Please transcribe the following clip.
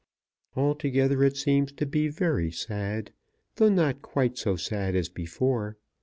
Altogether it seems to be very sad, though not quite so sad as before.